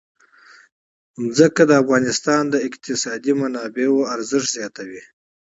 ځمکه د افغانستان د اقتصادي منابعو ارزښت زیاتوي.